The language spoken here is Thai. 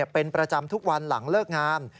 เป็นประจำทุกวันหลังเลิกงาม